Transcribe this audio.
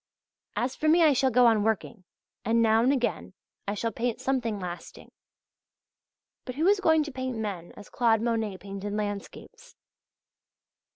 As for me, I shall go on working, and now and again I shall paint something lasting. But who is going to paint men as Claude Monet painted landscapes?